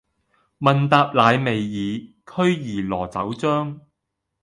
問答乃未已，驅兒羅酒漿。